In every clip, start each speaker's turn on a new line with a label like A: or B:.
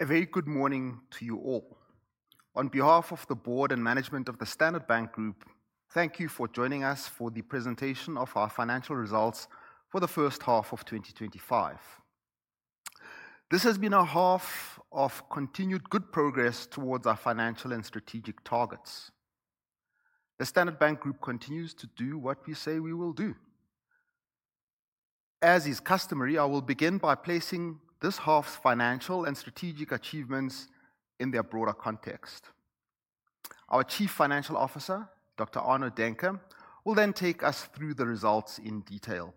A: A very good morning to you all. On behalf of the Board and management of the Standard Bank Group, thank you for joining us for the presentation of our financial results for the 2025. This has been a half of continued good progress towards our financial and strategic targets. The Standard Bank Group continues to do what we say we will do. As is customary, I will begin by placing this half's financial and strategic achievements in their broader context. Our Chief Financial Officer, Doctor. Arnold Denker, will then take us through the results in detail.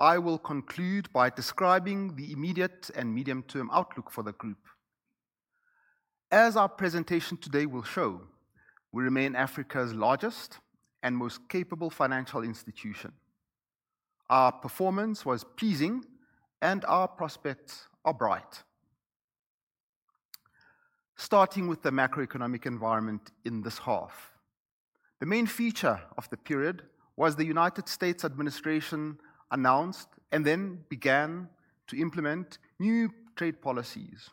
A: I will conclude by describing the immediate and medium term outlook for the group. As our presentation today will show, we remain Africa's largest and most capable financial institution. Our performance was pleasing, and our prospects are bright. Starting with the macroeconomic environment in this half. The main feature of the period was the United States administration announced and then began to implement new trade policies.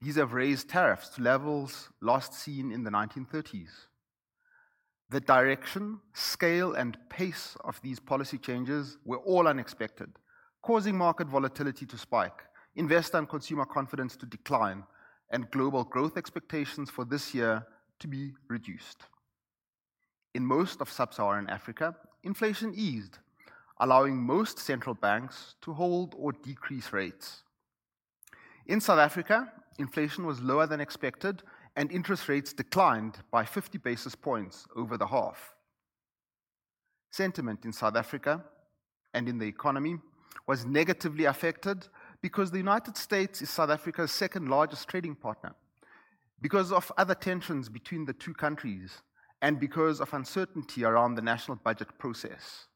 A: These have raised tariffs to levels last seen in the nineteen thirties. The direction, scale and pace of these policy changes were all unexpected, causing market volatility to spike, investor and consumer confidence to decline and global growth expectations for this year to be reduced. In most of Sub Saharan Africa, inflation eased, allowing most central banks to hold or decrease rates. In South Africa, inflation was lower than expected and interest rates declined by 50 basis points over the half. Sentiment in South Africa and in the economy was negatively affected because The United States is South Africa's second largest trading partner, because of other tensions between the two countries, and because of uncertainty around the national budget process.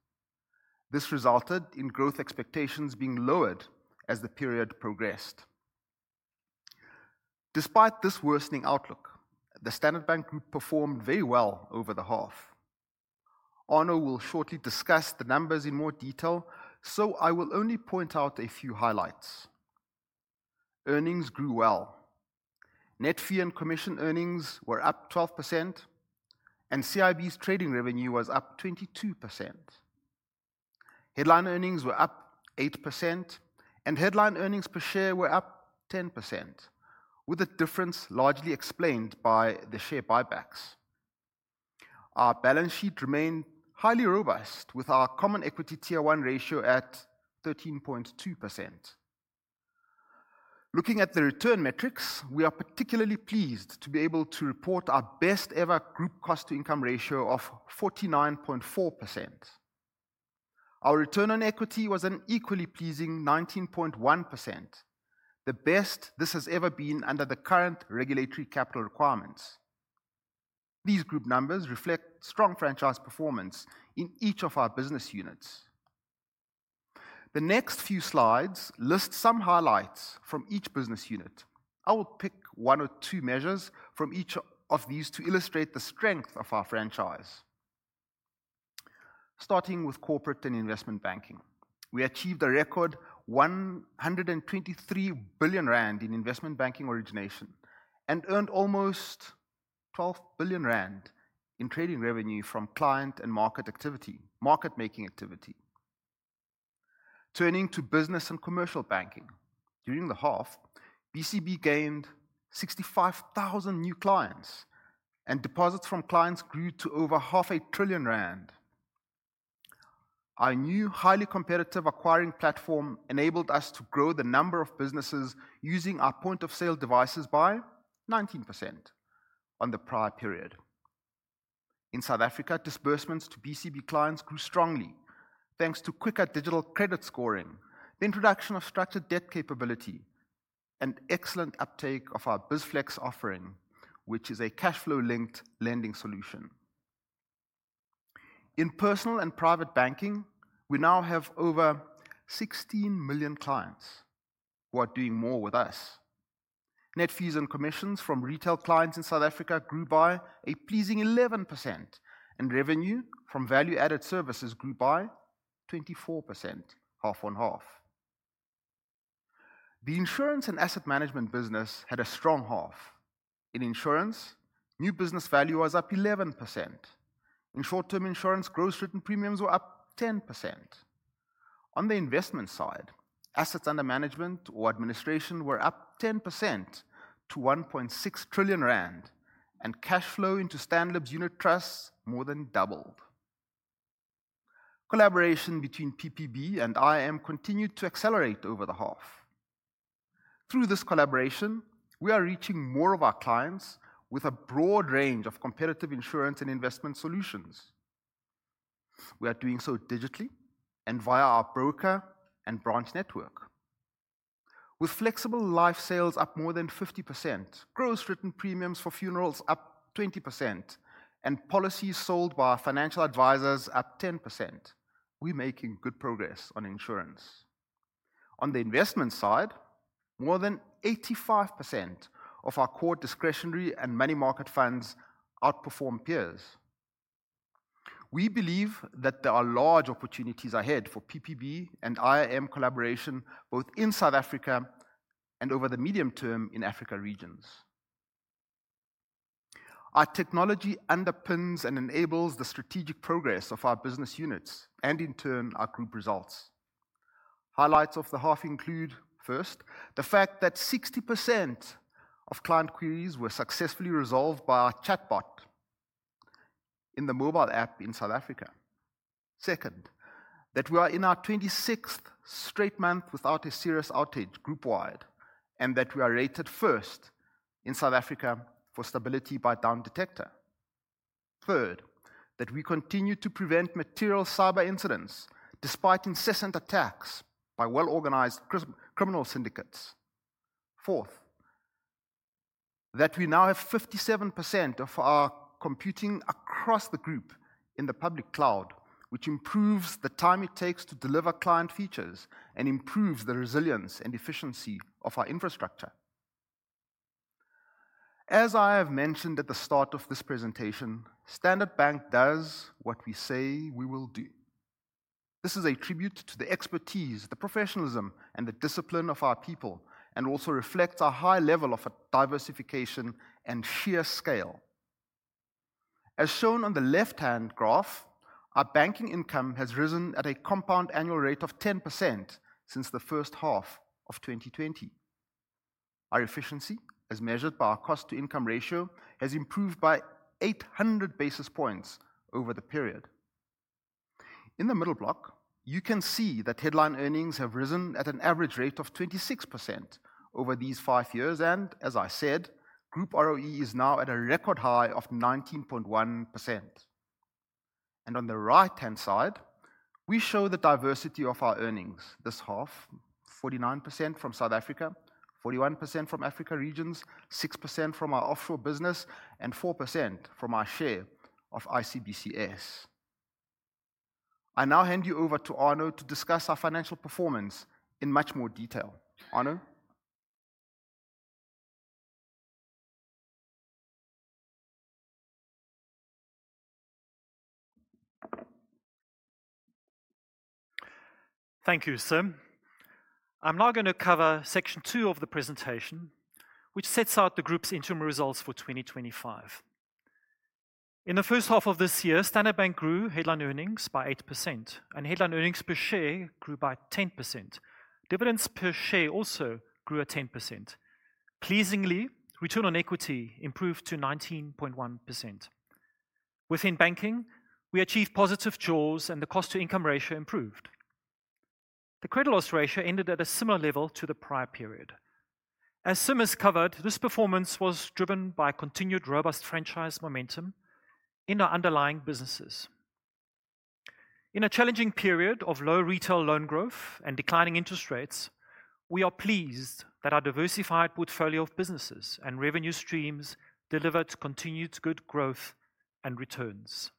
A: This resulted in growth expectations being lowered as the period progressed. Despite this worsening outlook, the Standard Bank Group performed very well over the half. Arnaud will shortly discuss the numbers in more detail, so I will only point out a few highlights. Earnings grew well. Net fee and commission earnings were up 12%, and CIB's trading revenue was up 22. Headline earnings were up 8%, and headline earnings per share were up 10%, with the difference largely explained by the share buybacks. Our balance sheet remained highly robust with our common equity Tier one ratio at 13.2%. Looking at the return metrics, we are particularly pleased to be able to report our best ever group cost to income ratio of 49.4%. Our return on equity was an equally pleasing 19.1%, the best this has ever been under the current regulatory capital requirements. These group numbers reflect strong franchise performance in each of our business units. The next few slides list some highlights from each business unit. I will pick one or two measures from each of these to illustrate the strength of our franchise. Starting with corporate and investment banking. We achieved a record 123,000,000,000 in investment banking origination and earned almost R12,000,000,000 in trading revenue from client and market activity market making activity. Turning to business and commercial banking. During the half, BCB gained 65,000 new clients, and deposits from clients grew to over half a trillion rand. Our new highly competitive acquiring platform enabled us to grow the number of businesses using our point of sale devices by 19% on the prior period. In South Africa, disbursements to BCB clients grew strongly, thanks to quicker digital credit scoring, the introduction of structured debt capability and excellent uptake of our BizFlex offering, which is a cash flow linked lending solution. In personal and private banking, we now have over 16,000,000 clients who are doing more with us. Net fees and commissions from retail clients in South Africa grew by a pleasing 11%, and revenue from value added services grew by 24% half on half. The insurance and asset management business had a strong half. In insurance, new business value was up 11%. In short term insurance, gross written premiums were up 10%. On the investment side, assets under management or administration were up 10% to R1,600,000,000,000 and cash flow into Stanlab's unit trusts more than doubled. Collaboration between PPB and IIM continued to accelerate over the half. Through this collaboration, we are reaching more of our clients with a broad range of competitive insurance and investment solutions. We are doing so digitally and via our broker and branch network. With flexible life sales up more than 50%, gross written premiums for funerals up 20%, and policies sold by our financial advisors up 10%. We're making good progress on insurance. On the investment side, more than 85% of our core discretionary and money market funds outperform peers. We believe that there are large opportunities ahead for PPB and IIM collaboration both in South Africa and over the medium term in Africa regions. Our technology underpins and enables the strategic progress of our business units and in turn, our group results. Highlights of the half include, first, the fact that 60% of client queries were successfully resolved by our chatbot in the mobile app in South Africa. Second, that we are in our twenty sixth straight month without a serious outage group wide and that we are rated first in South Africa for stability by down detector. Third, that we continue to prevent material cyber incidents despite incessant attacks by well organized criminal syndicates. Fourth, that we now have 57% of our computing across the group in the public cloud, which improves the time it takes to deliver client features and improves the resilience and efficiency of our infrastructure. As I have mentioned at the start of this presentation, Standard Bank does what we say we will do. This is a tribute to the expertise, the professionalism, and the discipline of our people and also reflects a high level of diversification and sheer scale. As shown on the left hand graph, our banking income has risen at a compound annual rate of 10% since the 2020. Our efficiency, as measured by our cost to income ratio, has improved by 800 basis points over the period. In the middle block, you can see that headline earnings have risen at an average rate of 26% over these five years, and as I said, group ROE is now at a record high of 19.1. And on the right hand side, we show the diversity of our earnings this half, 49% from South Africa, 41% from Africa regions, 6% from our offshore business and 4% from our share of ICBCS. I now hand you over to Anu to discuss our financial performance in much more detail. Anu?
B: Thank you, Sim. I'm now going to cover Section two of the presentation, which sets out the group's interim results for 2025. In the first half of this year, Standard Bank grew headline earnings by 8%, and headline earnings per share grew by 10%. Dividends per share also grew at 10%. Pleasingly, return on equity improved to 19.1%. Within banking, we achieved positive jaws, and the cost to income ratio improved. The credit loss ratio ended at a similar level to the prior period. As Sim has covered, this performance was driven by continued robust franchise momentum in our underlying businesses. In a challenging period of low retail loan growth and declining interest rates, we are pleased that our diversified portfolio of businesses and revenue streams delivered continued good growth and returns.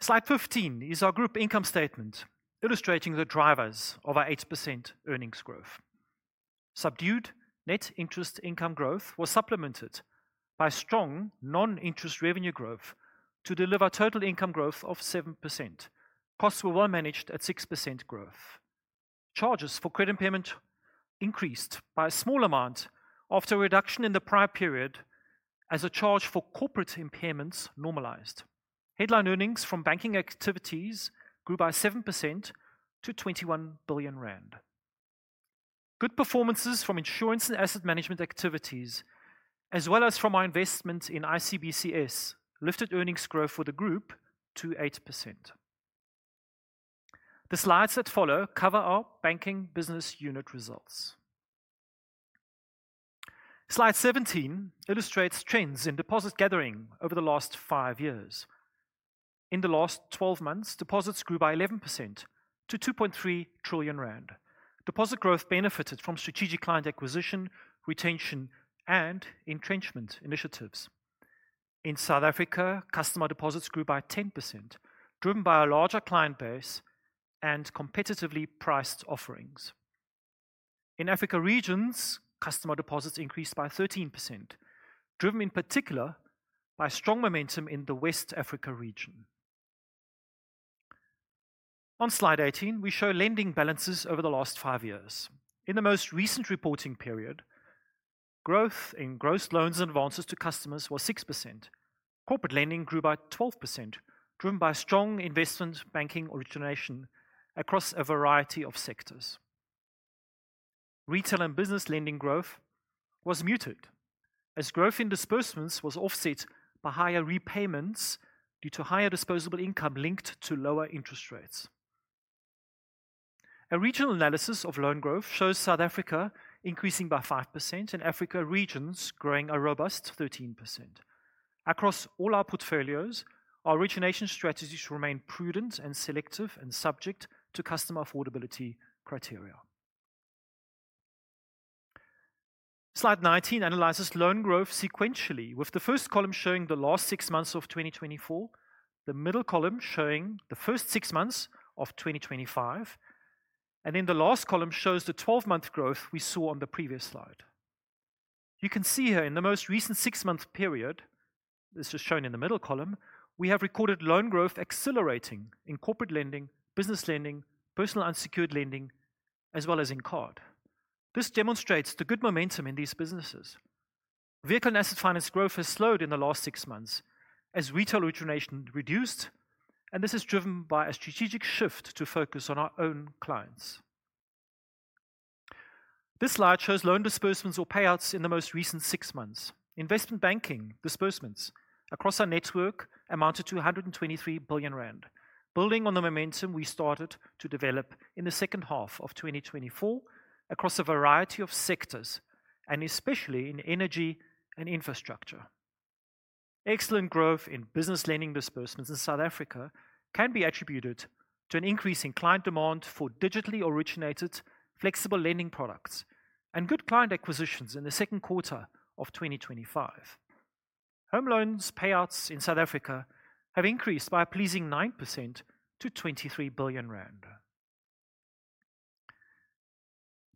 B: Slide 15 is our group income statement, illustrating the drivers of our 8% earnings growth. Subdued net interest income growth was supplemented by strong non interest revenue growth to deliver total income growth of 7%. Costs were well managed at 6% growth. Charges for credit impairment increased by a small amount after a reduction in the prior period as a charge for corporate impairments normalized. Headline earnings from banking activities grew by 7% to R21 billion. Good performances from insurance and asset management activities as well as from our investments in ICBCS lifted earnings growth for the group to 8%. The slides that follow cover our Banking business unit results. Slide 17 illustrates trends in deposit gathering over the last five years. In the last twelve months, deposits grew by 11% to 2.3 trillion rand. Deposit growth benefited from strategic client acquisition, retention and entrenchment initiatives. In South Africa, customer deposits grew by 10%, driven by a larger client base and competitively priced offerings. In Africa regions, customer deposits increased by 13%, driven in particular by strong momentum in the West Africa region. On Slide 18, we show lending balances over the last five years. In the most recent reporting period, growth in gross loans and advances to customers was 6%. Corporate lending grew by 12%, driven by strong investment banking origination across a variety of sectors. Retail and business lending growth was muted, as growth in disbursements was offset by higher repayments due to higher disposable income linked to lower interest rates. A regional analysis of loan growth shows South Africa increasing by 5% and Africa regions growing a robust 13%. Across all our portfolios, our origination strategies remain prudent and selective and subject to customer affordability criteria. Slide 19 analyzes loan growth sequentially, with the first column showing the last six months of 2024, the middle column showing the first six months of 2025, and then the last column shows the twelve month growth we saw on the previous slide. You can see here in the most recent six month period, this is shown in the middle column, we have recorded loan growth accelerating in corporate lending, business lending, personal unsecured lending as well as in card. This demonstrates the good momentum in these businesses. Vehicle and asset finance growth has slowed in the last six months as retail origination reduced, and this is driven by a strategic shift to focus on our own clients. This slide shows loan disbursements or payouts in the most recent six months. Investment banking disbursements across our network amounted to 123 billion rand, building on the momentum we started to develop in the 2024 across a variety of sectors and especially in energy and infrastructure. Excellent growth in business lending disbursements in South Africa can be attributed to an increase in client demand for digitally originated flexible lending products and good client acquisitions in the 2025. Home loans payouts in South Africa have increased by a pleasing 9% to R23 billion.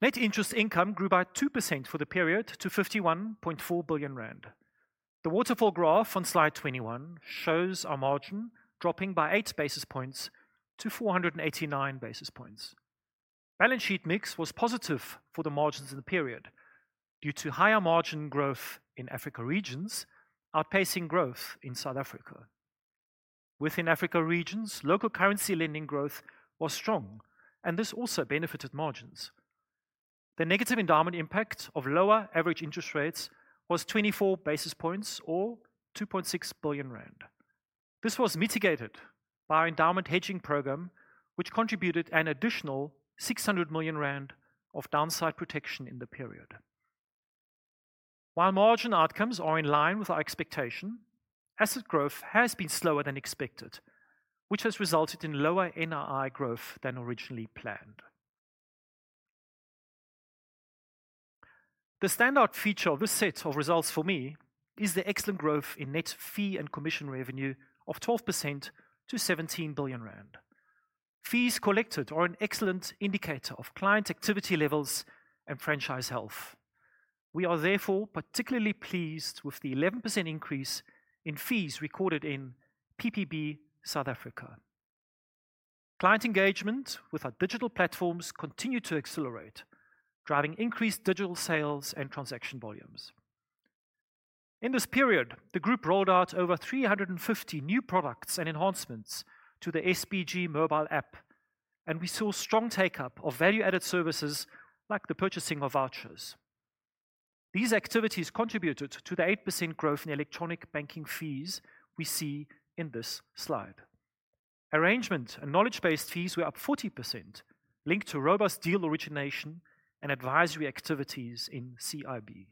B: Net interest income grew by 2% for the period to R51.4 billion. The waterfall graph on slide 21 shows our margin dropping by eight basis points to four eighty nine basis points. Balance sheet mix was positive for the margins in the period, due to higher margin growth in Africa regions outpacing growth in South Africa. Within Africa regions, local currency lending growth was strong, and this also benefited margins. The negative endowment impact of lower average interest rates was 24 basis points or billion. This was mitigated by our endowment hedging programme, which contributed an additional million of downside protection in the period. While margin outcomes are in line with our expectation, asset growth has been slower than expected, which has resulted in lower NII growth than originally planned. The standout feature of this set of results for me is the excellent growth in net fee and commission revenue of 12% to R17 billion. Fees collected are an excellent indicator of client activity levels and franchise health. We are, therefore, particularly pleased with the 11% increase in fees recorded in PPB South Africa. Client engagement with our digital platforms continued to accelerate, driving increased digital sales and transaction volumes. In this period, the group rolled out over three fifty new products and enhancements to the SPG mobile app, and we saw strong take up of value added services like the purchasing of vouchers. These activities contributed to the 8% growth in electronic banking fees we see in this slide. Arrangement and knowledge based fees were up 40%, linked to robust deal origination and advisory activities in CIB.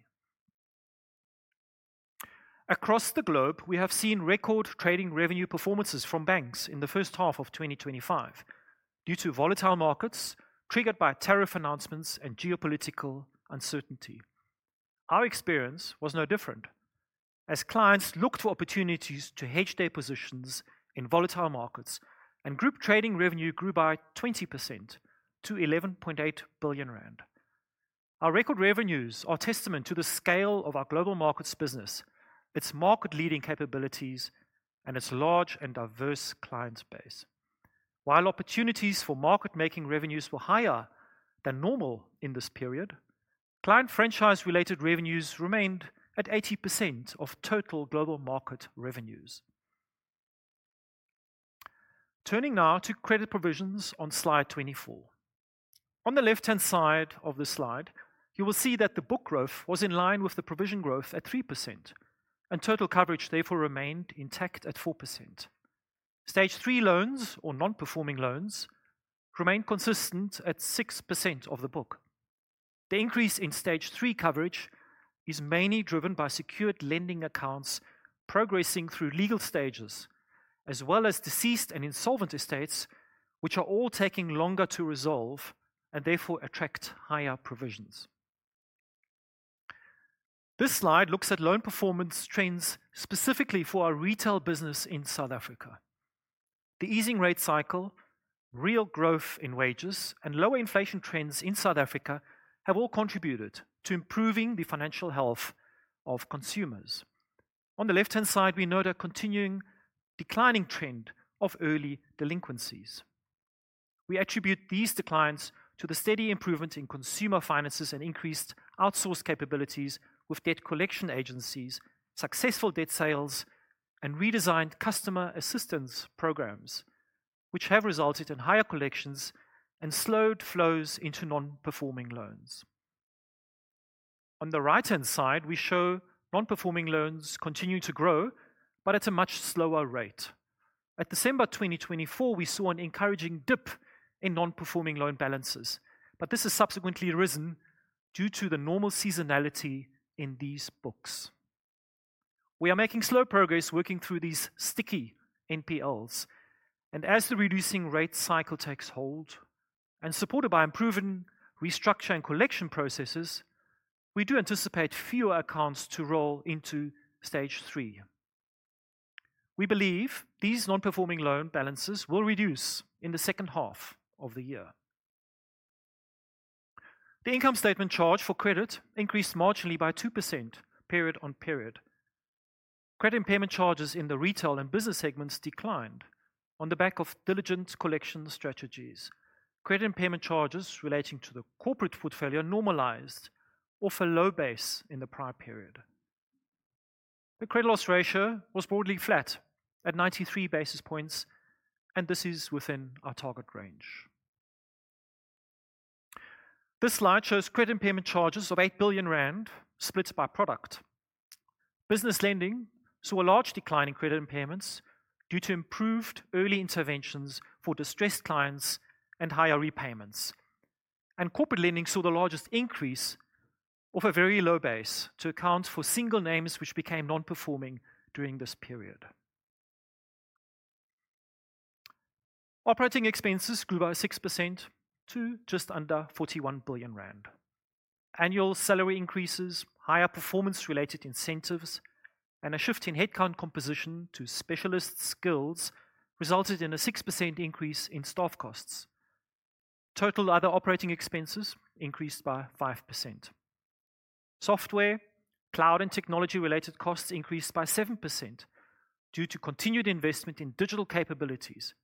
B: Across the globe, we have seen record trading revenue performances from banks in the 2025 due to volatile markets triggered by tariff announcements and geopolitical uncertainty. Our experience was no different, as clients looked for opportunities to hedge their positions in volatile markets, and group trading revenue grew by 20% to R11.8 billion. Our record revenues are testament to the scale of our Global Markets business, its market leading capabilities and its large and diverse client base. While opportunities for market making revenues were higher than normal in this period, client franchise related revenues remained at 80% of total global market revenues. Turning now to credit provisions on Slide 24. On the left hand side of the slide, you will see that the book growth was in line with the provision growth at 3%, and total coverage therefore remained intact at 4%. Stage three loans, or non performing loans, remained consistent at 6% of the book. The increase in Stage three coverage is mainly driven by secured lending accounts progressing through legal stages, as well as deceased and insolvent estates, which are all taking longer to resolve and therefore attract higher provisions. This slide looks at loan performance trends specifically for our retail business in South Africa. The easing rate cycle, real growth in wages and lower inflation trends in South Africa have all contributed to improving the financial health of consumers. On the left hand side, we note a continuing declining trend of early delinquencies. We attribute these declines to the steady improvement in consumer finances and increased outsourced capabilities with debt collection agencies, successful debt sales and redesigned customer assistance programmes, which have resulted in higher collections and slowed flows into nonperforming loans. On the right hand side, we show nonperforming loans continue to grow but at a much slower rate. At December 2024, we saw an encouraging dip in nonperforming loan balances, but this has subsequently risen due to the normal seasonality in these books. We are making slow progress working through these sticky NPLs, and as the reducing rate cycle takes hold, and supported by improving restructure and collection processes, we do anticipate fewer accounts to roll into Stage three. We believe these non performing loan balances will reduce in the second half of the year. The income statement charge for credit increased marginally by 2% period on period. Credit impairment charges in the Retail and Business segments declined on the back of diligent collection strategies. Credit impairment charges relating to the corporate foot failure normalised off a low base in the prior period. The credit loss ratio was broadly flat at 93 basis points, and this is within our target range. This slide shows credit impairment charges of 8 billion rand split by product. Business lending saw a large decline in credit impairments due to improved early interventions for distressed clients and higher repayments. And corporate lending saw the largest increase of a very low base to account for single names which became nonperforming during this period. Operating expenses grew by 6% to just under billion. Annual salary increases, higher performance related incentives and a shift in headcount composition to specialist skills resulted in a 6% increase in staff costs. Total other operating expenses increased by 5%. Software, cloud and technology related costs increased by 7% due to continued investment in digital capabilities,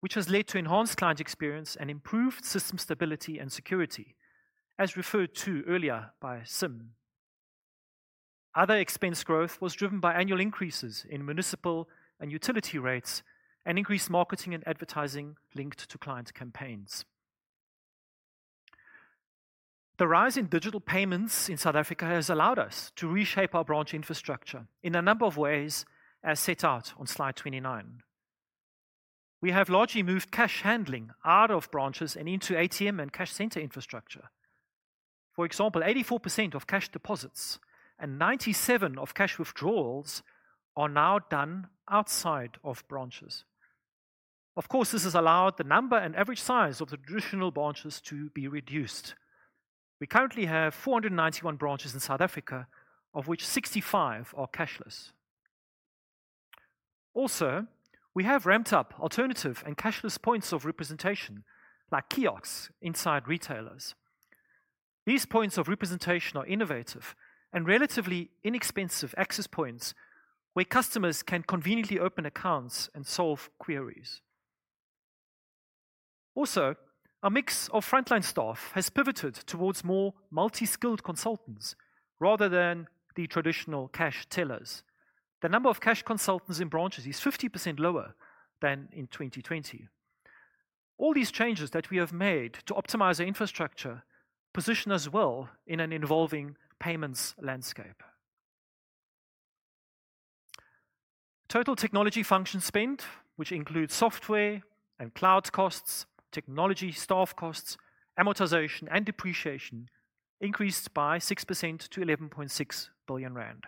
B: which has led to enhanced client experience and improved system stability and security, as referred to earlier by Sim. Other expense growth was driven by annual increases in municipal and utility rates and increased marketing and advertising linked to client campaigns. The rise in digital payments in South Africa has allowed us to reshape our branch infrastructure in a number of ways, as set out on Slide 29. We have largely moved cash handling out of branches and into ATM and cash centre infrastructure. For example, 84% of cash deposits and 97% of cash withdrawals are now done outside of branches. Of course, this has allowed the number and average size of the traditional branches to be reduced. We currently have four ninety one branches in South Africa, of which 65 are cashless. Also, we have ramped up alternative and cashless points of representation, like kiosks inside retailers. These points of representation are innovative and relatively inexpensive access points where customers can conveniently open accounts and solve queries. Also, our mix of frontline staff has pivoted towards more multi skilled consultants rather than the traditional cash tellers. The number of cash consultants in branches is 50% lower than in 2020. All these changes that we have made to optimise our infrastructure position us well in an evolving payments landscape. Total technology function spend, which includes software and cloud costs, technology staff costs, amortization and depreciation, increased by 6% to 11.6 billion rand.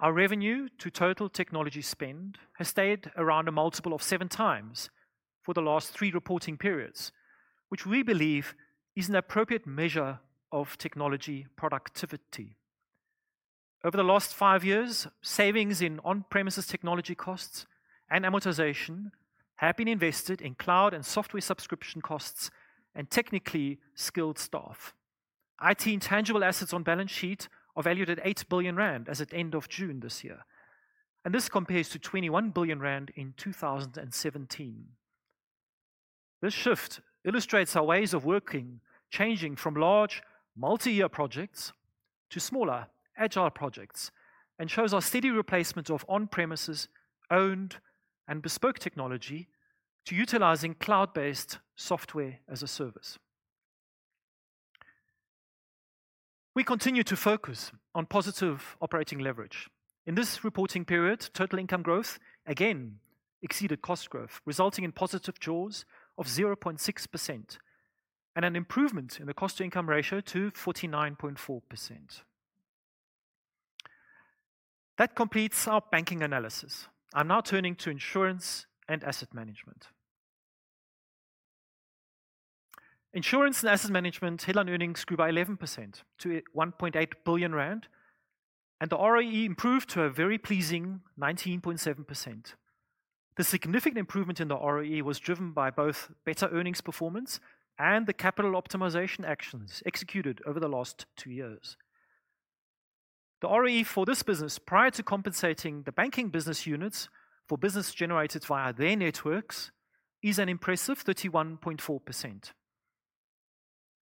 B: Our revenue to total technology spend has stayed around a multiple of 7x for the last three reporting periods, which we believe is an appropriate measure of technology productivity. Over the last five years, savings in on premises technology costs and amortization have been invested in cloud and software subscription costs and technically skilled staff. IT intangible assets on balance sheet are valued at 8 billion rand as at June year, and this compares to 21 billion rand in 2017. This shift illustrates our ways of working, changing from large, multiyear projects to smaller, agile projects, and shows our steady replacement of on premises owned and bespoke technology to utilising cloud based software as a service. We continue to focus on positive operating leverage. In this reporting period, total income growth again exceeded cost growth, resulting in positive jaws of 0.6% and an improvement in the cost to income ratio to 49.4%. That completes our banking analysis. I'm now turning to insurance and asset management. Insurance and asset management headline earnings grew by 11% to billion, and the ROE improved to a very pleasing 19.7%. The significant improvement in the ROE was driven by both better earnings performance and the capital optimisation actions executed over the last two years. The ROE for this business prior to compensating the banking business units for business generated via their networks is an impressive 31.4%.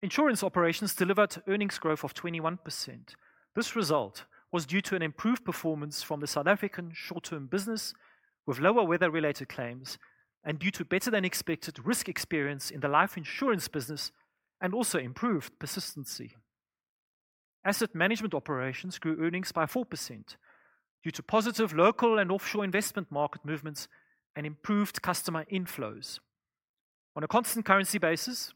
B: Insurance operations delivered earnings growth of 21%. This result was due to an improved performance from the South African short term business, with lower weather related claims and due to better than expected risk experience in the life insurance business and also improved persistency. Asset management operations grew earnings by 4% due to positive local and offshore investment market movements and improved customer inflows. On a constant currency basis,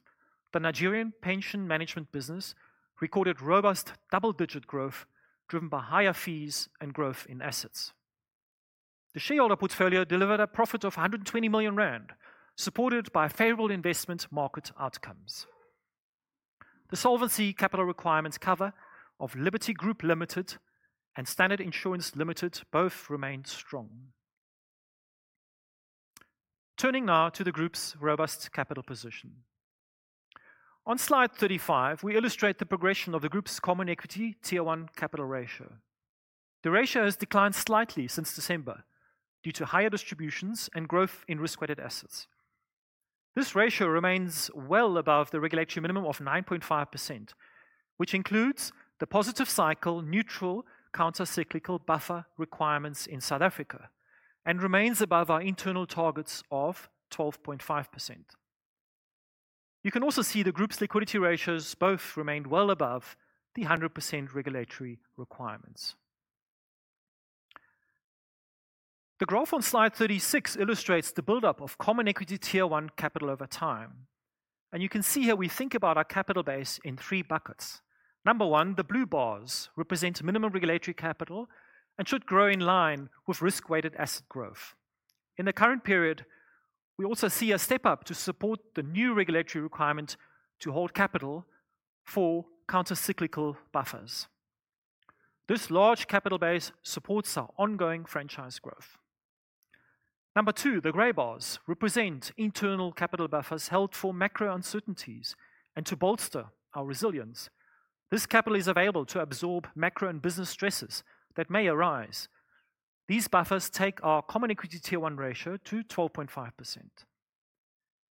B: the Nigerian pension management business recorded robust double digit growth, driven by higher fees and growth in assets. The shareholder portfolio delivered a profit of R120 million, supported by favorable investment market outcomes. The solvency capital requirements cover of Liberty Group Limited and Standard Insurance Limited both remained strong. Turning now to the Group's robust capital position. On Slide 35, we illustrate the progression of the Group's common equity Tier one capital ratio. The ratio has declined slightly since December due to higher distributions and growth in risk weighted assets. This ratio remains well above the regulatory minimum of 9.5%, which includes the positive cycle neutral countercyclical buffer requirements in South Africa, and remains above our internal targets of 12.5%. You can also see the group's liquidity ratios both remained well above the 100% regulatory requirements. The graph on Slide 36 illustrates the buildup of common equity Tier one capital over time. And you can see how we think about our capital base in three buckets. Number one, the blue bars represent minimum regulatory capital and should grow in line with risk weighted asset growth. In the current period, we also see a step up to support the new regulatory requirement to hold capital for countercyclical buffers. This large capital base supports our ongoing franchise growth. Number two, the grey bars represent internal capital buffers held for macro uncertainties and to bolster our resilience. This capital is available to absorb macro and business stresses that may arise. These buffers take our Common Equity Tier one ratio to 12.5%.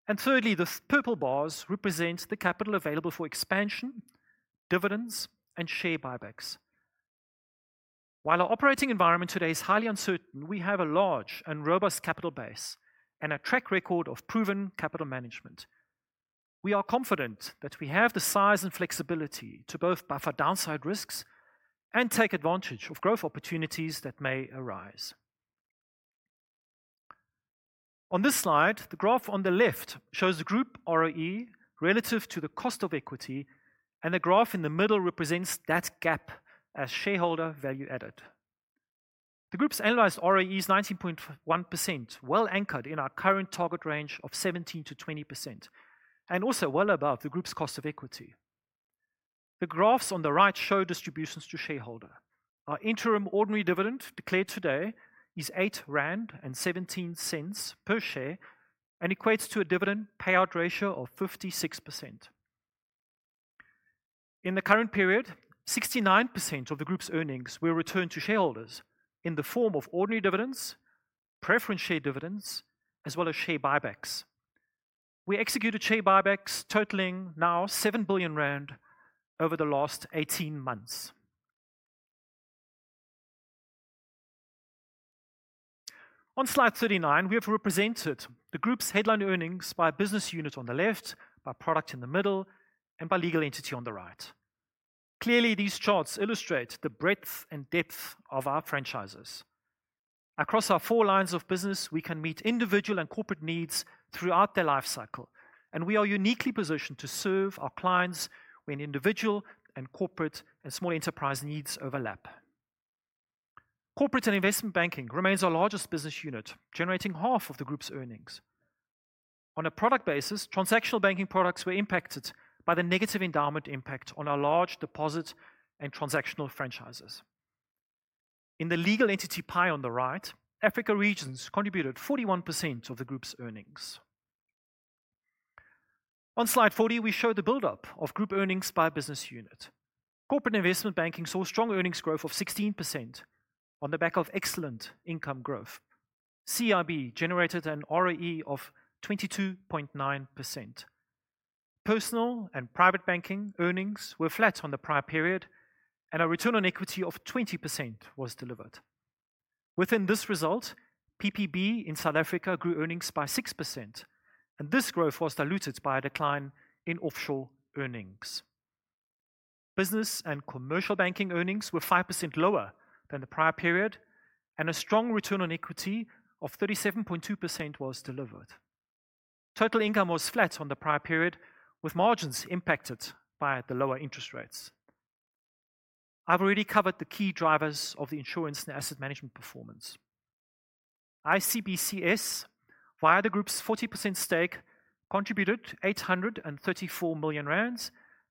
B: And thirdly, the purple bars represent the capital available for expansion, dividends and share buybacks. While our operating environment today is highly uncertain, we have a large and robust capital base and a track record of proven capital management. We are confident that we have the size and flexibility to both buffer downside risks and take advantage of growth opportunities that may arise. On this slide, the graph on the left shows the group ROE relative to the cost of equity, and the graph in the middle represents that gap as shareholder value added. The group's analysed ROE is 19.1%, well anchored in our current target range of 17% to 20%, and also well above the group's cost of equity. The graphs on the right show distributions to shareholder. Our interim ordinary dividend declared today is R8.17 dollars per share and equates to a dividend payout ratio of 56%. In the current period, 69% of the group's earnings were returned to shareholders in the form of ordinary dividends, preference share dividends as well as share buybacks. We executed share buybacks totaling now billion over the last eighteen months. On Slide 39, we have represented the group's headline earnings by business unit on the left, by product in the middle and by legal entity on the right. Clearly, these charts illustrate the breadth and depth of our franchises. Across our four lines of business, we can meet individual and corporate needs throughout their life cycle, and we are uniquely positioned to serve our clients when individual and corporate and small enterprise needs overlap. Corporate and Investment Banking remains our largest business unit, generating half of the group's earnings. On a product basis, transactional banking products were impacted by the negative endowment impact on our large deposit and transactional franchises. In the legal entity pie on the right, Africa regions contributed 41% of the group's earnings. On slide 40, we show the buildup of group earnings by business unit. Corporate Investment Banking saw strong earnings growth of 16% on the back of excellent income growth. CIB generated an ROE of 22.9%. Personal and Private Banking earnings were flat on the prior period, and a return on equity of 20% was delivered. Within this result, PPB in South Africa grew earnings by 6%, and this growth was diluted by a decline in offshore earnings. Business and Commercial Banking earnings were 5% lower than the prior period, and a strong return on equity of 37.2 was delivered. Total income was flat on the prior period, with margins impacted by the lower interest rates. I've already covered the key drivers of the insurance and asset management performance. ICBCS, via the group's 40% stake, contributed to million,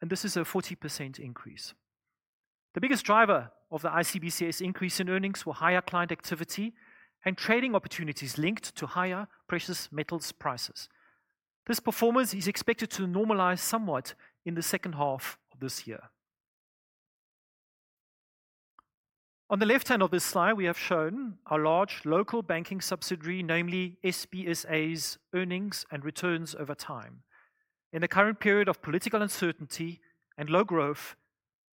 B: and this is a 40% increase. The biggest driver of the ICBCS increase in earnings were higher client activity and trading opportunities linked to higher precious metals prices. This performance is expected to normalise somewhat in the second half of this year. On the left hand of this slide, we have shown our large local banking subsidiary, namely SBSA's earnings and returns over time. In the current period of political uncertainty and low growth,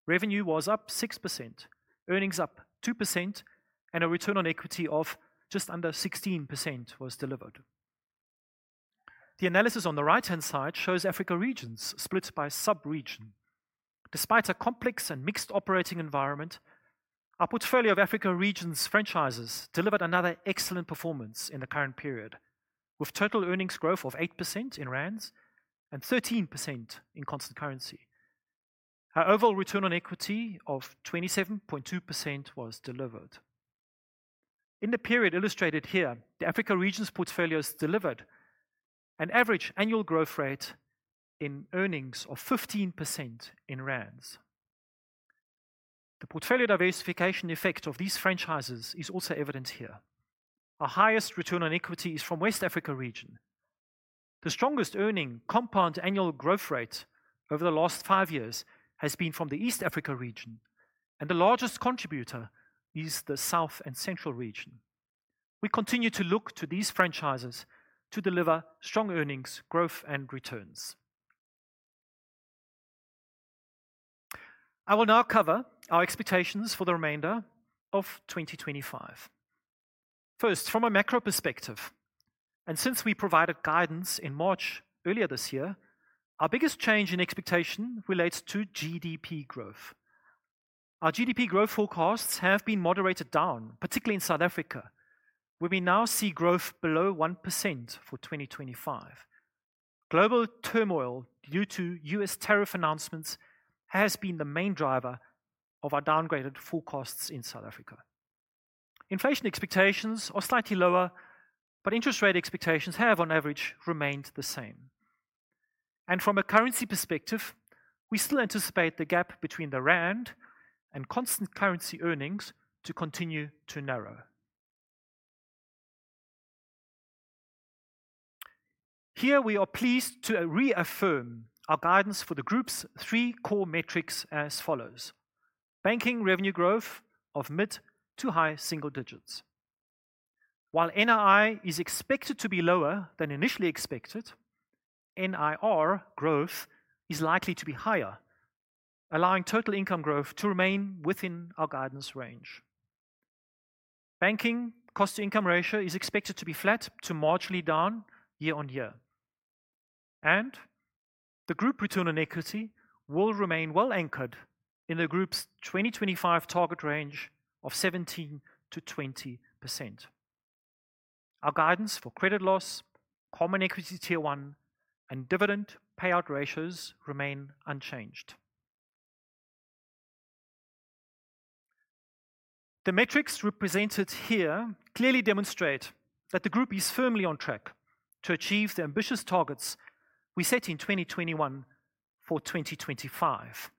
B: revenue was up 6%, earnings up 2% and a return on equity of just under 16% was delivered. The analysis on the right hand side shows Africa regions split by sub region. Despite a complex and mixed operating environment, our portfolio of Africa Regions franchises delivered another excellent performance in the current period, with total earnings growth of 8% in rands and 13% in constant currency. Our overall return on equity of 27.2% was delivered. In the period illustrated here, the Africa Region's portfolios delivered an average annual growth rate in earnings of 15% in rands. The portfolio diversification effect of these franchises is also evident here. Our highest return on equity is from West Africa Region. The strongest earning compound annual growth rate over the last five years has been from the East Africa region, and the largest contributor is the South And Central Region. We continue to look to these franchises to deliver strong earnings, growth and returns. I will now cover our expectations for the remainder of 2025. First, from a macro perspective, and since we provided guidance in March earlier this year, our biggest change in expectation relates to GDP growth. Our GDP growth forecasts have been moderated down, particularly in South Africa, where we now see growth below 1% for 2025. Global turmoil due to U. S. Tariff announcements has been the main driver of our downgraded forecasts in South Africa. Inflation expectations are slightly lower, but interest rate expectations have, on average, remained the same. And from a currency perspective, we still anticipate the gap between the rand and constant currency earnings to continue to narrow. Here, we are pleased to reaffirm our guidance for the group's three core metrics as follows: Banking revenue growth of mid to high single digits. While NII is expected to be lower than initially expected, NIR growth is likely to be higher, allowing total income growth to remain within our guidance range. Banking cost to income ratio is expected to be flat to marginally down year on year. And the group return on equity will remain well anchored in the group's 2025 target range of 17% to 20%. Our guidance for credit loss, common equity Tier one and dividend payout ratios remain unchanged. The metrics represented here clearly demonstrate that the group is firmly on track to achieve the ambitious targets we set in 2021 for 2025.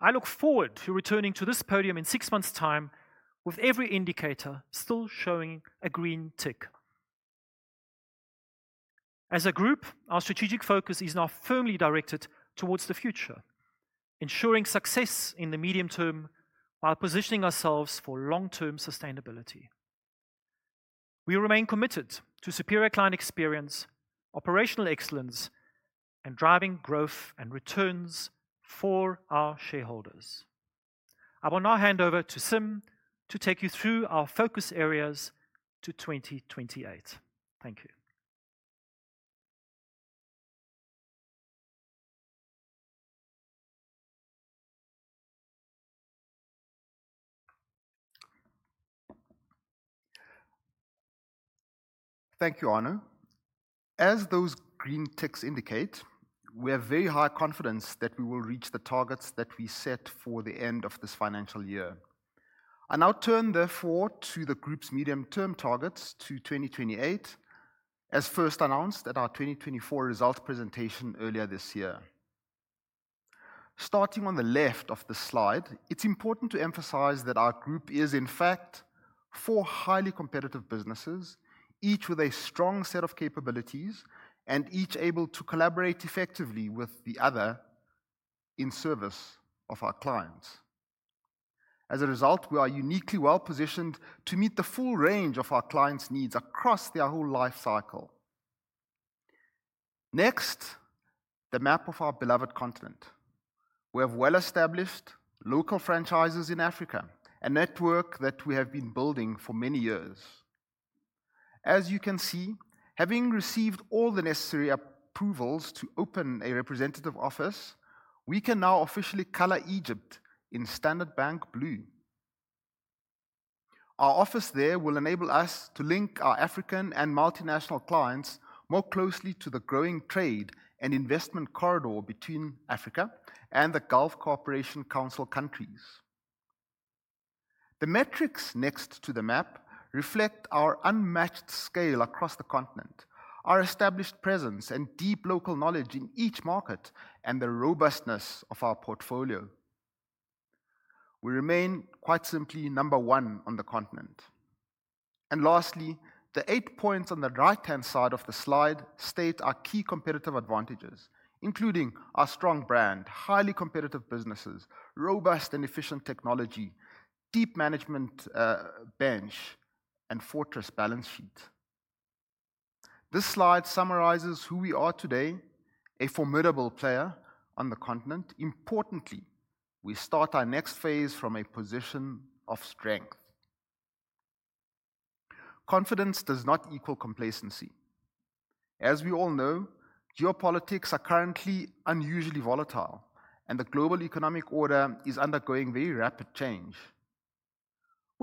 B: I look forward to returning to this podium in June time with every indicator still showing a green tick. As a group, our strategic focus is now firmly directed towards the future, ensuring success in the medium term while positioning ourselves for long term sustainability. We remain committed to superior client experience, operational excellence and driving growth and returns for our shareholders. I will now hand over to Sim to take you through our focus areas to 2028. Thank you.
A: Thank you, Anu. As those green ticks indicate, we have very high confidence that we will reach the targets that we set for the end of this financial year. I now turn, therefore, to the group's medium term targets to 2028, as first announced at our 2024 results presentation earlier this year. Starting on the left of the slide, it's important to emphasize that our group is, in fact, four highly competitive businesses, each with a strong set of capabilities and each able to collaborate effectively with the other in service of our clients. As a result, we are uniquely well positioned to meet the full range of our clients' needs across their whole life cycle. Next, the map of our beloved continent. We have well established local franchises in Africa, a network that we have been building for many years. As you can see, having received all the necessary approvals to open a representative office, we can now officially color Egypt in Standard Bank blue. Our office there will enable us to link our African and multinational clients more closely to the growing trade and investment corridor between Africa and the Gulf Corporation Council countries. The metrics next to the map reflect our unmatched scale across the continent, our established presence and deep local knowledge in each market, and the robustness of our portfolio. We remain, quite simply, number one on the continent. And lastly, the eight points on the right hand side of the slide state our key competitive advantages, including our strong brand, highly competitive businesses, robust and efficient technology, deep management bench and fortress balance sheet. This slide summarizes who we are today, a formidable player on the continent. Importantly, we start our next phase from a position of strength. Confidence does not equal complacency. As we all know, geopolitics are currently unusually volatile, and the global economic order is undergoing very rapid change.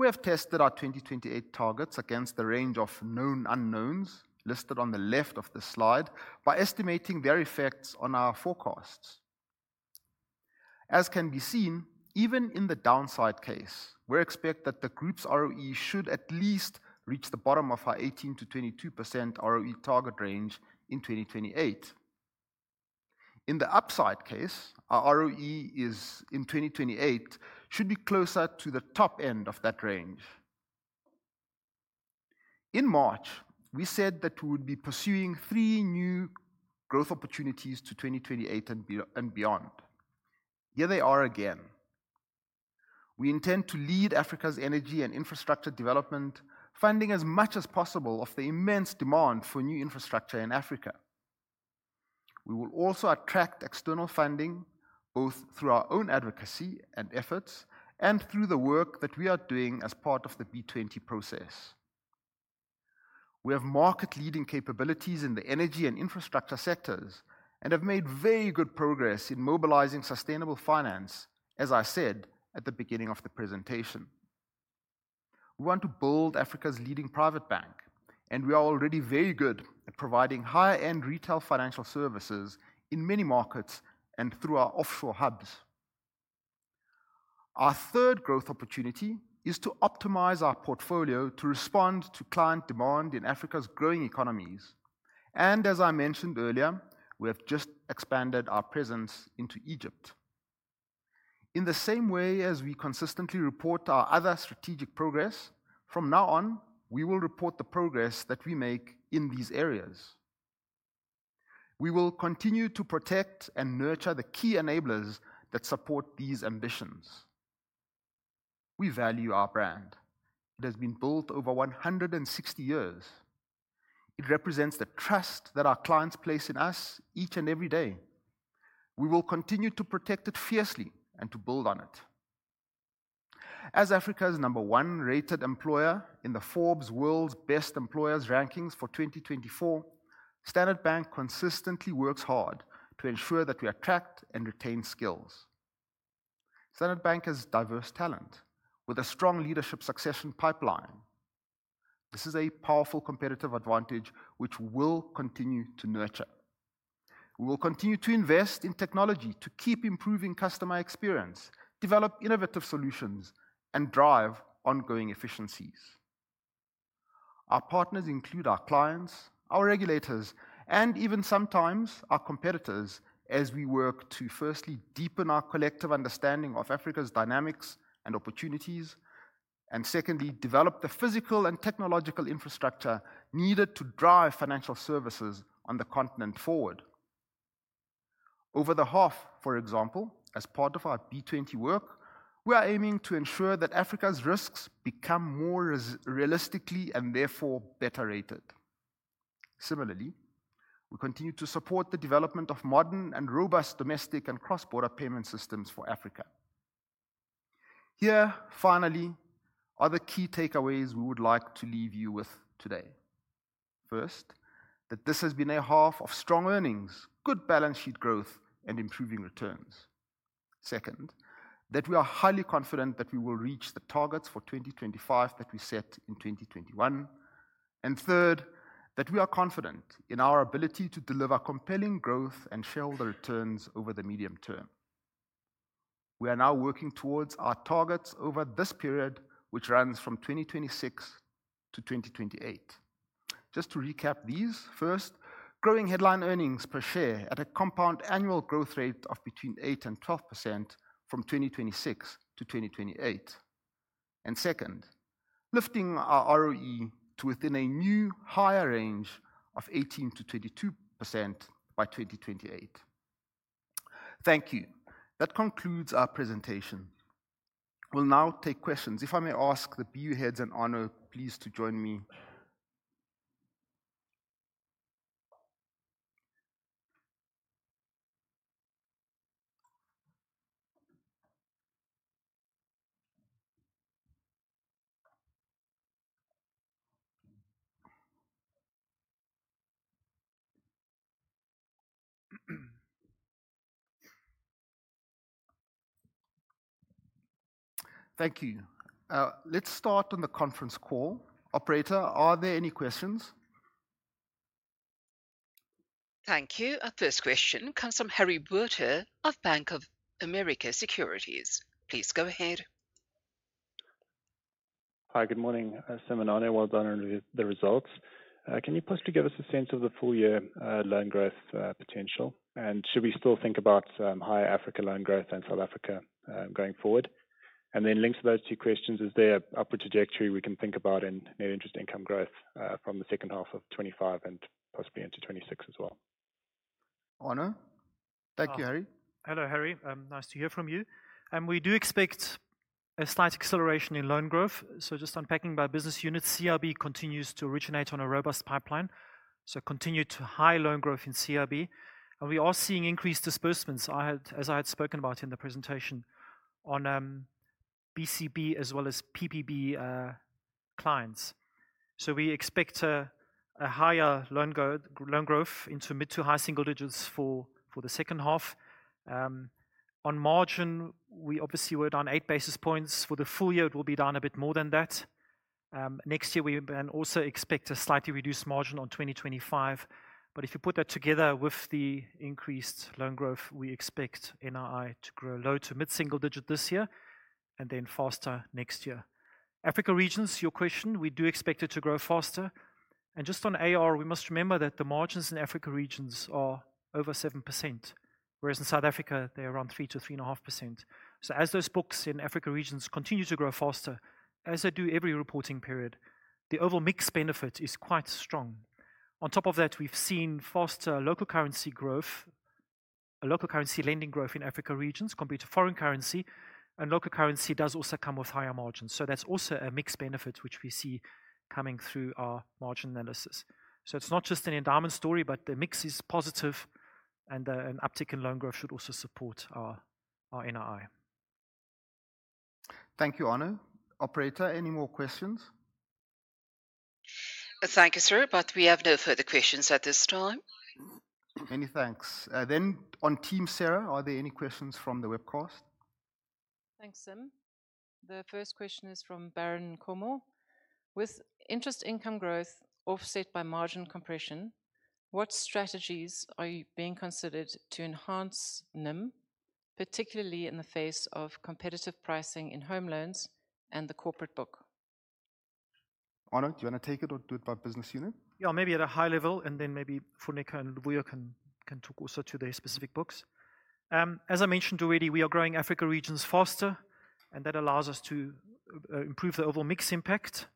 A: We have tested our twenty twenty eight targets against the range of known unknowns listed on the left of the slide by estimating their effects on our forecasts. As can be seen, even in the downside case, we expect that the group's ROE should at least reach the bottom of our 18% to 22 ROE target range in 2028. In the upside case, our ROE is in 2028 should be closer to the top end of that range. In March, we said that we would be pursuing three new growth opportunities to 2028 and beyond. Here they are again. We intend to lead Africa's energy and infrastructure development, funding as much as possible of the immense demand for new infrastructure in Africa. We will also attract external funding both through our own advocacy and efforts and through the work that we are doing as part of the B20 process. We have market leading capabilities in the energy and infrastructure sectors and have made very good progress in mobilizing sustainable finance, as I said at the beginning of the presentation. We want to build Africa's leading private bank, and we are already very good at providing high end retail financial services in many markets and through our offshore hubs. Our third growth opportunity is to optimize our portfolio to respond to client demand in Africa's growing economies. And as I mentioned earlier, we have just expanded our presence into Egypt. In the same way as we consistently report our other strategic progress, from now on, we will report the progress that we make in these areas. We will continue to protect and nurture the key enablers that support these ambitions. We value our brand. It has been built over one hundred and sixty years. It represents the trust that our clients place in us each and every day. We will continue to protect it fiercely and to build on it. As Africa's number one rated employer in the Forbes World's Best Employers rankings for 2024, Standard Bank consistently works hard to ensure that we attract and retain skills. Standard Bank has diverse talent with a strong leadership succession pipeline. This is a powerful competitive advantage which we'll continue to nurture. We'll continue to invest in technology to keep improving customer experience, develop innovative solutions and drive ongoing efficiencies. Our partners include our clients, our regulators and even sometimes our competitors as we work to firstly deepen our collective understanding of Africa's dynamics and opportunities, and secondly, develop the physical and technological infrastructure needed to drive financial services on the continent forward. Over the half, for example, as part of our B20 work, we are aiming to ensure that Africa's risks become more realistically and therefore better rated. Similarly, we continue to support the development of modern and robust domestic and cross border payment systems for Africa. Here, finally, are the key takeaways we would like to leave you with today. First, that this has been a half of strong earnings, good balance sheet growth and improving returns second, that we are highly confident that we will reach the targets for 2025 that we set in 2021 and third, that we are confident in our ability to deliver compelling growth and shareholder returns over the medium term. We are now working towards our targets over this period, which runs from 2026 to 2028. Just to recap these: first, growing headline earnings per share at a compound annual growth rate of between 812% from 2026 to 2028 and second, lifting our ROE to within a new higher range of 18% to 22% by 2028. Thank you. That concludes our presentation. We'll now take questions. If I may ask the BU heads and honor please to join me. Thank you. Let's start on the conference call. Operator, are there any questions?
C: Thank you. Our first question comes from Harry Werther of Bank of America Securities. Please go ahead.
D: Good morning, Simon Anno. Well done on the results. Can you possibly give us a sense of the full year loan growth potential? And should we still think about higher Africa loan growth and South Africa going forward? And then links to those two questions, is there an upward trajectory we can think about in net interest income growth from the 2025 and possibly into 2026 as well?
A: Ono, thank you, Harry.
B: Hello, Harry. Nice to hear from you. We do expect a slight acceleration in loan growth. So just unpacking by business units, CIB continues to originate on a robust pipeline, so continued high loan growth in CIB. And we are seeing increased disbursements, as I had spoken about in the presentation, on BCB as well as PBB clients. So we expect a higher loan growth into mid to high single digits for the second half. On margin, we obviously were down eight basis points. For the full year, it will be down a bit more than that. Next year, we also expect a slightly reduced margin on 2025. But if you put that together with the increased loan growth, we expect NII to grow low to mid single digit this year and then faster next year. Africa regions, your question, we do expect it to grow faster. And just on AR, we must remember that the margins in Africa regions are over 7%, whereas in South Africa, they're around 3% to 3.5%. So as those books in Africa regions continue to grow faster, as they do every reporting period, the overall mix benefit is quite strong. On top of that, we've seen faster local currency growth local currency lending growth in Africa regions compared to foreign currency, and local currency does also come with higher margins. So that's also a mix benefit which we see coming through our margin analysis. So it's not just an endowment story, but the mix is positive and an uptick in loan growth should also support our NII.
A: Thank you, Anu. Operator, any more questions?
D: Thank you, sir. But we have no further questions at this time.
A: Many thanks. Then on TeamSera, are there any questions from the webcast?
E: Thanks, Sim. The first question is from Baron Comore. With interest income growth offset by margin compression, what strategies are you being considered to enhance NIM, particularly in the face of competitive pricing in home loans and the corporate book?
A: Anat, do want to take it or do it by business unit?
B: Yes, maybe at a high level, and then maybe Funneka and Lovuyo can talk also to their specific books. As I mentioned already, we are growing Africa regions faster and that allows us to improve the overall mix impact.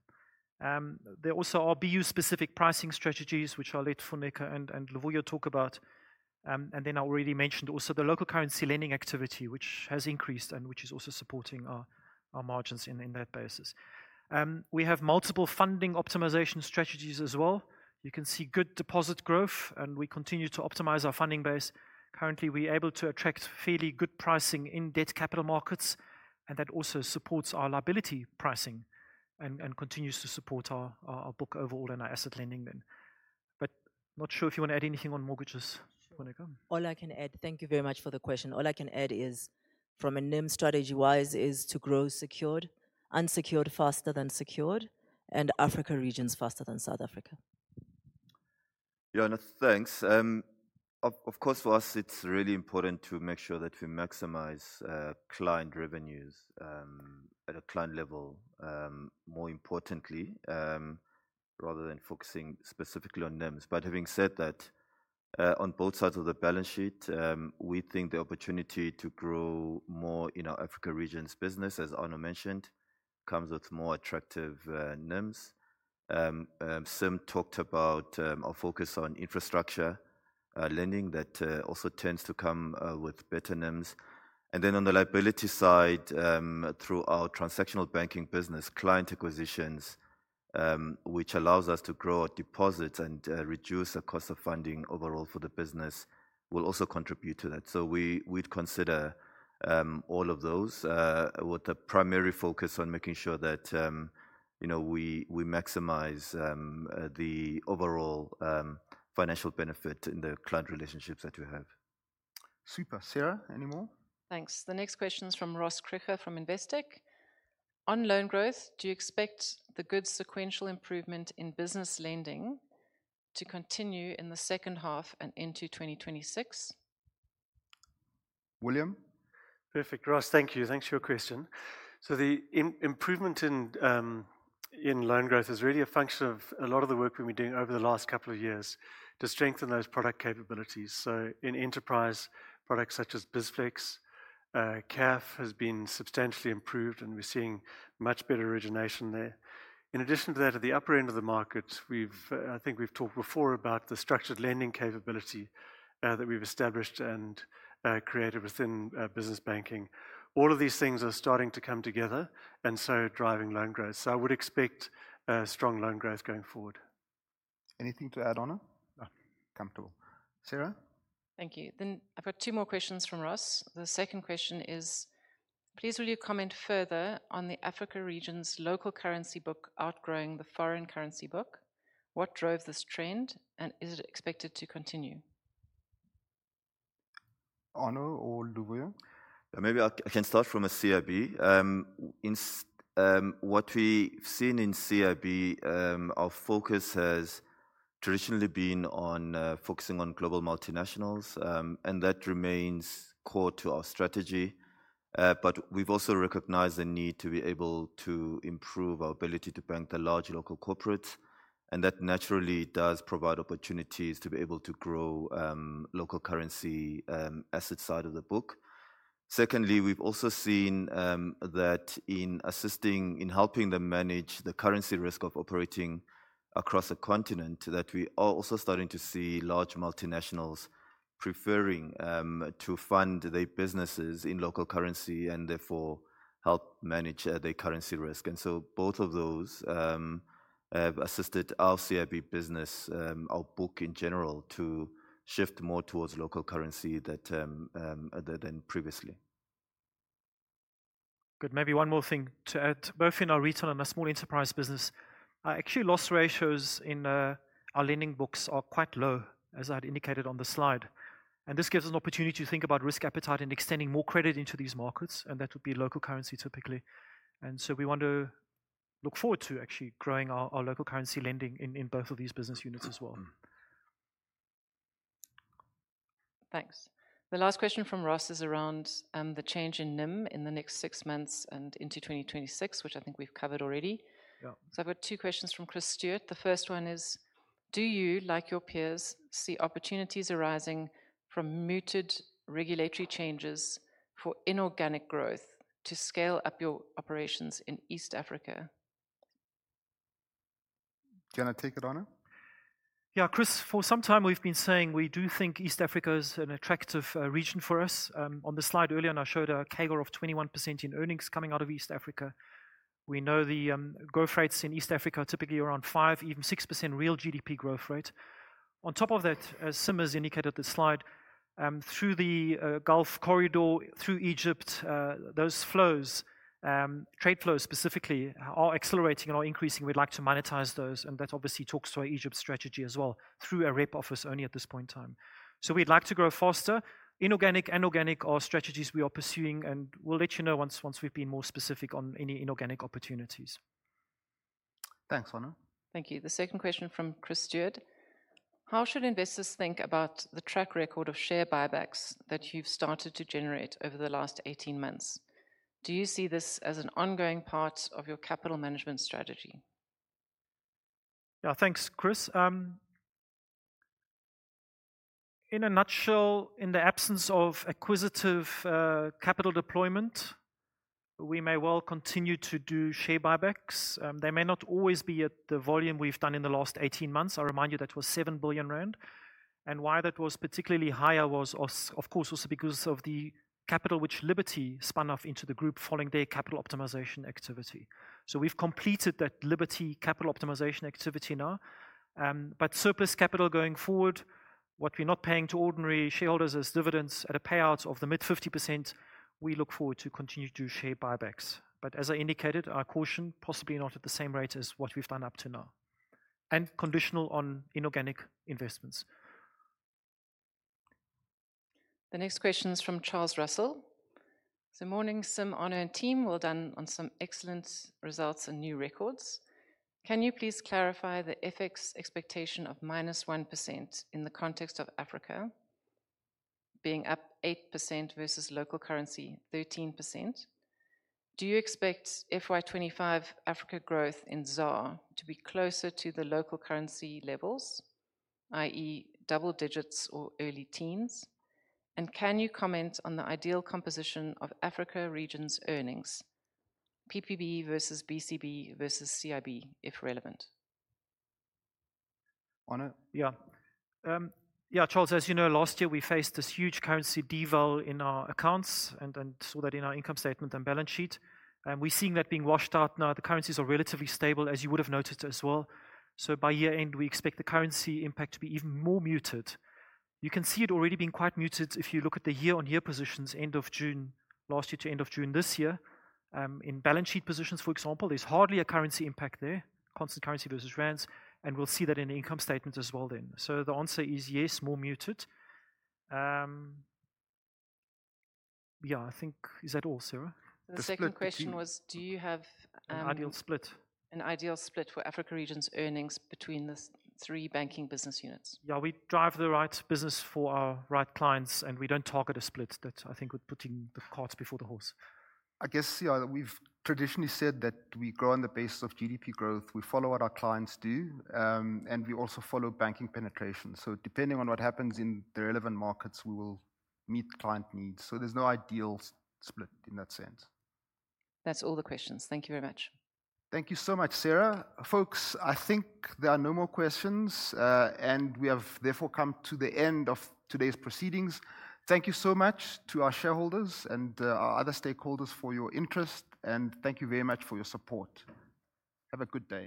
B: There also are BU specific pricing strategies, which I'll let Funeka and Lavoie talk about. And then I already mentioned also the local currency lending activity, which has increased and which is also supporting our margins in that basis. We have multiple funding optimization strategies as well. You can see good deposit growth, and we continue to optimize our funding base. Currently, we're able to attract fairly good pricing in debt capital markets, and that also supports our liability pricing and continues to support our book overall and our asset lending then. But not sure if you want to add anything on mortgages, All
F: I can add thank you very much for the question. All I can add is, from a NIM strategy wise, is to grow secured, unsecured faster than secured and Africa regions faster than South Africa.
G: Johannes, thanks. Of course, for us, it's really important to make sure that we maximize client revenues at a client level more importantly rather than focusing specifically on NIMs. But having said that, on both sides of the balance sheet, we think the opportunity to grow more in our Africa regions business, as Anu mentioned, comes with more attractive NIMs. Sim talked about our focus on infrastructure lending that also tends to come with better NIMs. And then on the liability side, through our transactional banking business, client acquisitions, which allows us to grow our deposits and reduce the cost of funding overall for the business, will also contribute to that. So we'd consider all of those with the primary focus on making sure that we maximize the overall financial benefit in the client relationships that we have.
A: Super. Sarah, any more?
E: Thanks. The next question is from Ross Krueger from Investec. On loan growth, do you expect the good sequential improvement in business lending to continue in the second half and into 2026?
A: William?
H: Perfect. Ross, thank you. Thanks for your question. So the improvement in loan growth is really a function of a lot of the work we've been doing over the last couple of years to strengthen those product capabilities. So in enterprise products such as BizFlex, CAF has been substantially improved, and we're seeing much better origination there. In addition to that, at the upper end of the market, we've I think we've talked before about the structured lending capability that we've established and created within business banking. All of these things are starting to come together, and so driving loan growth. So I would expect strong loan growth going forward.
A: Anything to add, Ana?
B: No. Comfortable.
A: Sarah?
E: Thank you. Then I've got two more questions from Ross. The second question is, please, will you comment further on the Africa region's local currency book outgrowing the foreign currency book? What drove this trend? And is it expected to continue?
A: Anu or Luvio?
G: Maybe I can start from a CIB. What we've seen in CIB, our focus has traditionally been on focusing on global multinationals, and that remains core to our strategy. But we've also recognized the need to be able to improve our ability to bank the large local corporates, and that naturally does provide opportunities to be able to grow local currency asset side of the book. Secondly, we've also seen that in assisting in helping them manage the currency risk of operating across a continent that we are also starting to see large multinationals preferring to fund their businesses in local currency and therefore help manage their currency risk. And so both of those have assisted our CIB business, our book in general, to shift more towards local currency than previously.
B: Good. Maybe one more thing to add, both in our Retail and our Small Enterprise business. Our actual loss ratios in our lending books are quite low, as I had indicated on the slide. And this gives us an opportunity to think about risk appetite and extending more credit into these markets, and that would be local currency typically. And so we want to look forward to actually growing our local currency lending in both of these business units as well.
E: Thanks. The last question from Ross is around the change in NIM in the next six months and into 2026, which I think we've covered already. So I've got two questions from Chris Stewart. The first one is, do you, like your peers, see opportunities arising from muted regulatory changes for inorganic growth to scale up your operations in East Africa?
A: Can I take it, Ana?
B: Yes. Chris, for some time, we've been saying we do think East Africa is an attractive region for us. On the slide earlier, and I showed a CAGR of 21% in earnings coming out of East Africa. We know the growth rates in East Africa are typically around five even 6% real GDP growth rate. On top of that, as Simer has indicated at the slide, through the Gulf Corridor, through Egypt, those flows trade flows specifically are accelerating and are increasing. We'd like to monetize those, and that obviously talks to our Egypt strategy as well through our rep office only at this point in time. So we'd like to grow faster. Inorganic, inorganic are strategies we are pursuing, and we'll let you know once we've been more specific on any inorganic opportunities.
A: Thanks, Vano.
E: Thank you. The second question from Chris Steuart. How should investors think about the track record of share buybacks that you've started to generate over the last eighteen months? Do you see this as an ongoing part of your capital management strategy?
B: Yes. Thanks, Chris. In a nutshell, in the absence of acquisitive capital deployment, we may well continue to do share buybacks. They may not always be at the volume we've done in the last eighteen months. I'll remind you that was 7 billion rand. And why that was particularly higher was, of course, also because of the capital which Liberty spun off into the group following their capital optimization activity. So we've completed that Liberty capital optimization activity now. But surplus capital going forward, what we're not paying to ordinary shareholders is dividends at a payout of the mid-fifty percent, we look forward to continue to do share buybacks. But as I indicated, I caution possibly not at the same rate as what we've done up to now and conditional on inorganic investments.
E: The next question is from Charles Russell. So morning, Sim, Anno and team, well done on some excellent results and new records. Can you please clarify the FX expectation of minus 1% in the context of Africa being up 8% versus local currency 13%, do you expect FY 2025 Africa growth in ZAR to be closer to the local currency levels, I. E, double digits or early teens? And can you comment on the ideal composition of Africa region's earnings, PPB versus BCB versus CIB, if relevant?
A: On a yes.
B: Charles, as you know, last year, we faced this huge currency deval in our accounts and saw that in our income statement and balance sheet. We're seeing that being washed out now. The currencies are relatively stable, as you would have noted as well. So by year end, we expect the currency impact to be even more muted. You can see it already being quite muted if you look at the year on year positions June last year to June this year. In balance sheet positions, for example, there's hardly a currency impact there, constant currency versus rands, and we'll see that in the income statement as well then. So the answer is yes, more muted. Yes, I think is that all, Sarah?
E: The second question was, do you have an split for Africa Region's earnings between the three banking business units?
B: Yes. We drive the right business for our right clients, and we don't target a split. That's, I think, we're putting the carts before the horse.
A: I guess, yes, we've traditionally said that we grow on the basis of GDP growth. We follow what our clients do, and we also follow banking penetration. So depending on what happens in the relevant markets, we will meet client needs. So there's no ideal split in that sense.
E: That's all the questions. Thank you very much.
A: Thank you so much, Sarah. Folks, I think there are no more questions, and we have therefore come to the end of today's proceedings. Thank you so much to our shareholders and our other stakeholders for your interest, and thank you very much for your support. Have a good day.